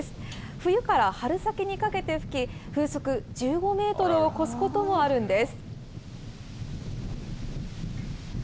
冬から春先にかけて吹き、風速１５メートルを超すこともあるんです。